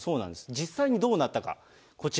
実際にどうなったか、こちら。